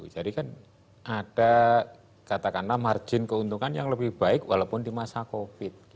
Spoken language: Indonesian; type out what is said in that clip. jadi kan ada katakanlah margin keuntungan yang lebih baik walaupun di masa covid sembilan belas